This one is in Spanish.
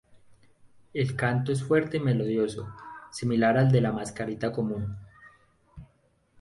El canto es fuerte y melodioso, similar al de la mascarita común.